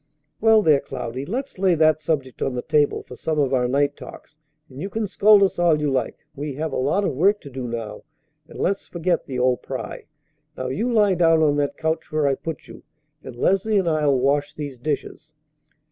"Well, there, Cloudy, let's lay that subject on the table for some of our night talks; and you can scold us all you like. We have a lot of work to do now, and let's forget the old pry. Now you lie down on that couch where I put you, and Leslie and I'll wash these dishes."